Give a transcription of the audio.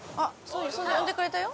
呼んでくれたよ。